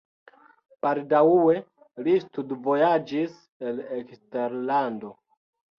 Baldaŭe li studvojaĝis al eksterlando.